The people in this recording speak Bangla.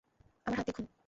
আমার হাত দেখুন।